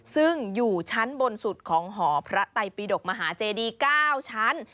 ซึ่งอยู่ชั้นบนสุดของหอพระไตปีดกมหาเจดี๙ชั้น